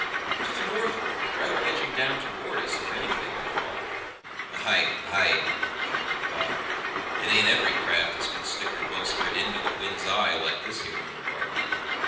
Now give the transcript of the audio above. "To the northward, rather edging down towards us, if anything, I thought." "Ay, ay," chuckled Bob, "it ain't every craft as can stick her bowsprit into the wind's eye like this here little barkie.